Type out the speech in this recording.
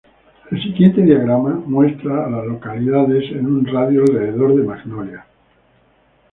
El siguiente diagrama muestra a las localidades en un radio de de Magnolia.